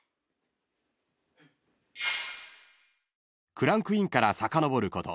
［クランクインからさかのぼること